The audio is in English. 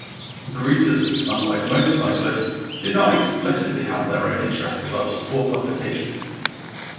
Greasers, unlike motorcyclists, did not explicitly have their own interest clubs or publications.